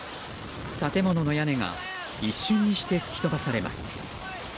建物の屋根が一瞬にして吹き飛ばされます。